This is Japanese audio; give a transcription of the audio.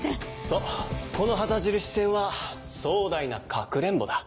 そうこの旗印戦は壮大なかくれんぼだ。